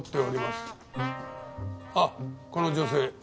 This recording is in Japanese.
あっこの女性。